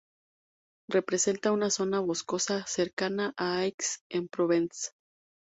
Representa una zona boscosa cercana a Aix-en-Provence.